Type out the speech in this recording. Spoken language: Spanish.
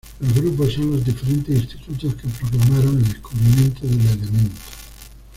Los grupos son los diferentes institutos que proclamaron el descubrimiento del elemento.